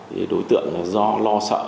thì đối tượng do lo sợ